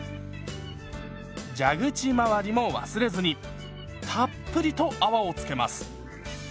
蛇口回りも忘れずにたっぷりと泡をつけます。